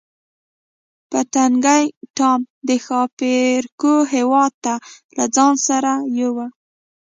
پتنګې ټام د ښاپیرکو هیواد ته له ځان سره یووړ.